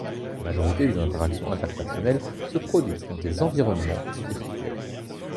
La majorité des interactions interpersonnelles se produisent dans des environnements virtuels.